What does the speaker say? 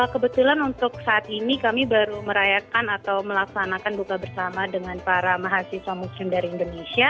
kebetulan untuk saat ini kami baru merayakan atau melaksanakan buka bersama dengan para mahasiswa muslim dari indonesia